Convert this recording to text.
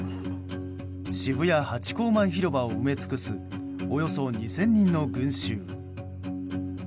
渋谷ハチ公前広場を埋め尽くすおよそ２０００人の群衆。